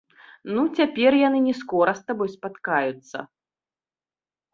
Ну, цяпер яны не скора з сабой спаткаюцца.